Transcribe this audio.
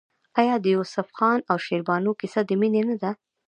آیا د یوسف خان او شیربانو کیسه د مینې نه ده؟